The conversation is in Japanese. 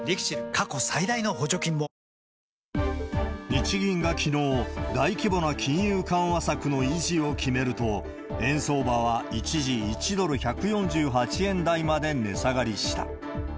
過去最大の補助金も日銀がきのう、大規模な金融緩和策の維持を決めると、円相場は一時、１ドル１４８円台まで値下がりした。